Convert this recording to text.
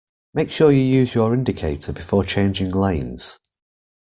Make sure you use your indicator before changing lanes